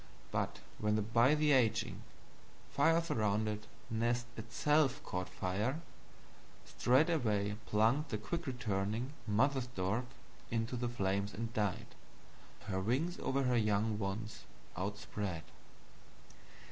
But when the bytheraging, firesurrounded Nest ITSELF caught Fire, straightway plunged the quickreturning Mother Stork into the Flames and died, her Wings over her young ones outspread."